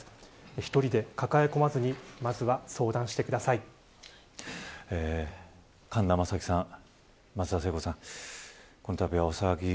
１人で抱え込まずにまずは相談してください。